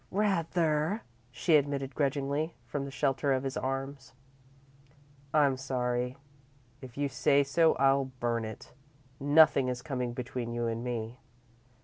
"Rather," she admitted, grudgingly, from the shelter of his arms. "I'm sorry. If you say so, I'll burn it. Nothing is coming between you and me."